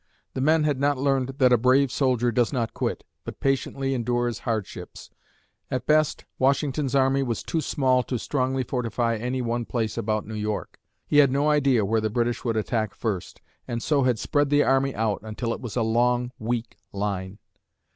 The men had not learned that a brave soldier does not quit, but patiently endures hardships. At best, Washington's army was too small to strongly fortify any one place about New York. He had no idea where the British would attack first, and so had spread the army out until it was a long, weak line.